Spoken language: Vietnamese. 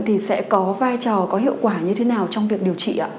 thì sẽ có vai trò có hiệu quả như thế nào trong việc điều trị ạ